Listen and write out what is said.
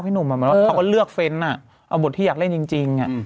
เขาก็เลือกเฟรนด์อ่ะเอาบทที่อยากเล่นจริง